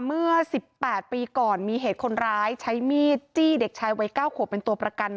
เมื่อ๑๘ปีก่อนมีเหตุคนร้ายใช้มีดจี้เด็กชายวัย๙ขวบเป็นตัวประกัน